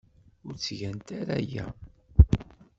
Ur ttgent ara aya.